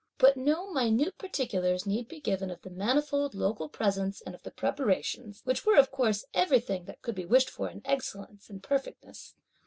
But no minute particulars need be given of the manifold local presents and of the preparations, which were, of course, everything that could be wished for in excellence and perfectness.